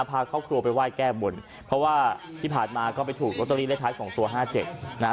พาครอบครัวไปไหว้แก้บนเพราะว่าที่ผ่านมาก็ไปถูกลอตเตอรี่เลขท้ายสองตัวห้าเจ็ดนะฮะ